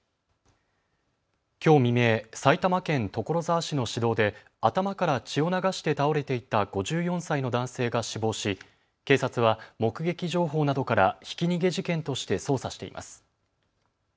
きょう未明、埼玉県所沢市の市道で頭から血を流して倒れていた５４歳の男性が死亡し警察は目撃情報などからひき逃げ事件として捜査しています。